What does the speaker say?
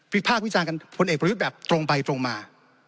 ภาควิจารณ์กันพลเอกประยุทธ์แบบตรงไปตรงมา